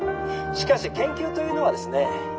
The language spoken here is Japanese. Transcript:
しかし研究というのはですね